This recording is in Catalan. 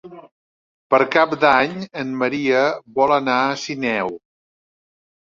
Per Cap d'Any en Maria vol anar a Sineu.